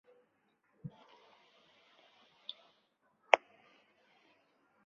成立之初的目的是各夥伴国合作研发并制造龙卷风战机。